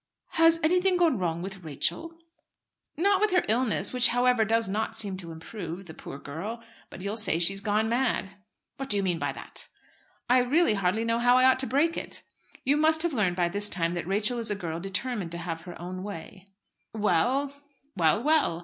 "Has anything gone wrong with Rachel?" "Not with her illness, which, however, does not seem to improve. The poor girl! But you'll say she's gone mad." "What do you mean by that?" "I really hardly know how I ought to break it. You must have learned by this time that Rachel is a girl determined to have her own way." "Well; well; well!"